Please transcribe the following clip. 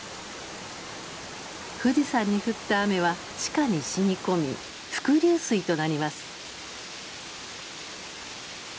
富士山に降った雨は地下にしみ込み伏流水となります。